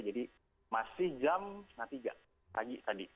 jadi masih jam setengah tiga pagi tadi